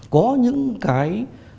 có những cái